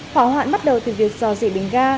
hỏa hoạn bắt đầu từ việc dò dị bình ga